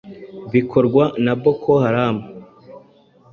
bikorwa na Boko Haram,